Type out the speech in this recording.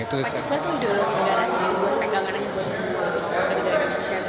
pancasila itu ideologi negara jadi memegangkan aja buat semua negara indonesia